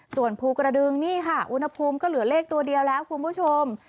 ส่วนภูกระดึงนี่ค่ะอุณหภูมิก็เหลือเลขตัวเดียวแล้วคุณผู้ชม